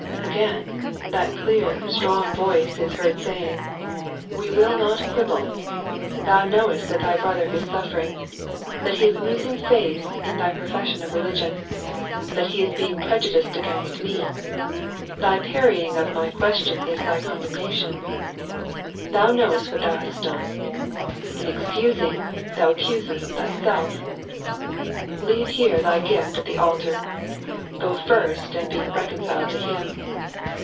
Again, that dear, strong voice is heard saying :" We 3.n.iized by Google 58 LOTE AGAINST AhGES. will not quibble. Thou knoveet that thy brother is Buf fering, that he 18 losing faith in thy profesiiion of religion, that he is being prejudiced against Me ; thy parrying of My question is thy condemnation. Thou knowefit what thou hast done. In excusing, thou accusest thyself. Leave here thy gift at the altar. Go first, and be reconciled to him.